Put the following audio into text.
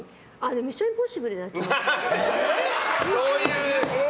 「ミッション：インポッシブル」でええ？